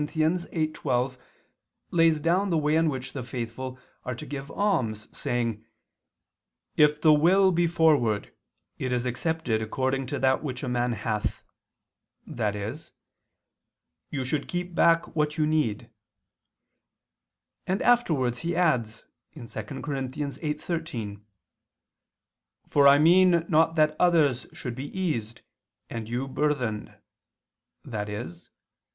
8:12) lays down the way in which the faithful are to give alms saying: "If the will be forward, it is accepted according to that which a man hath," i.e. "you should keep back what you need," and afterwards he adds (2 Cor. 8:13): "For I mean not that others should be eased, and you burthened," i.e.